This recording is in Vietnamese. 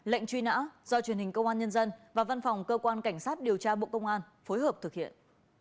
lệnh truy nã do truyền hình công an nhân dân và văn phòng cơ quan cảnh sát điều tra bộ công an phối hợp thực hiện